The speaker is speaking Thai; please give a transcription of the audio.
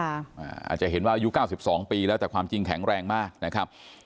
อาจจะเห็นว่าอายุ๙๒ปีแล้วแต่ความจริงแข็งแรงมากนะครับ